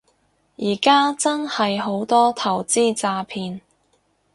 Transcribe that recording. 而家真係好多投資詐騙